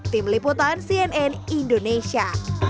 tim liputan cnn indonesia